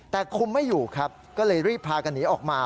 แต่คุมไม่อยู่ครับก็เลยรีบพากันหนีออกมา